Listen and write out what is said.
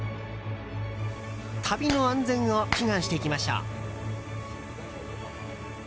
旅の安全を祈願していきましょう。